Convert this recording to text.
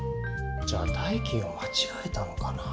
じゃあ代金をまちがえたのかな？